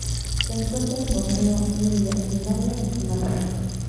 Se encuentra en Borneo, India, Birmania y Sumatra.